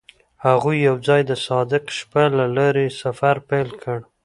هغوی یوځای د صادق شپه له لارې سفر پیل کړ.